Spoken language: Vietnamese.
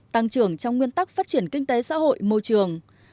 tăng trưởng trong nguyên tắc phát triển kinh tế xã hội môi trường